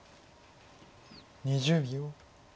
２０秒。